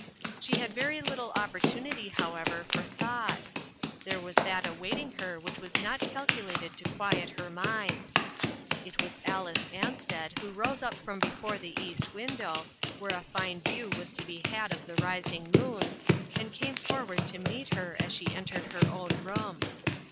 She had very little opportunity, however, for thought ; and there was that awaiting her which was not calculated to quiet her mind. ONE OF THE VICTIMS. 329 It was Alice Ansted who rose up from before the east window, where a fine view was to be had of the rising moon, and came forward to meet her as she entered her own room.